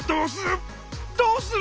どうする？